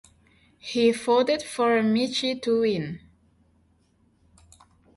He voted for Michie to win.